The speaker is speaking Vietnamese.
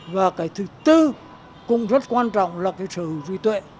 và cái thứ bốn cũng rất quan trọng là cái sở hữu truy tuệ